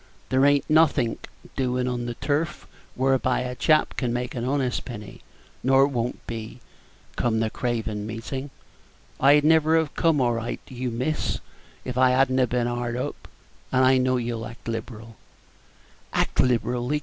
There ain't nothink doin' on the turf whereby a chap can make an honest penny, nor won't be, come the Craven Meetin'. I'd never have come anigh you, miss, if I had n't been hard up, and I know you'll act liberal." "Act liberally!"